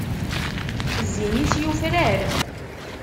Zzin-is Yufrar.